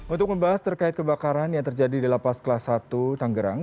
untuk membahas terkait kebakaran yang terjadi di lapas kelas satu tanggerang